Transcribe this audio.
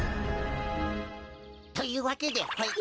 というわけでほい。